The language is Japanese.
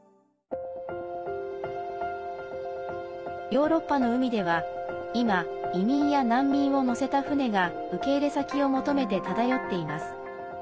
ヨーロッパの海では今、移民や難民を乗せた船が受け入れ先を求めて漂っています。